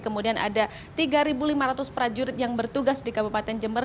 kemudian ada tiga lima ratus prajurit yang bertugas di kabupaten jember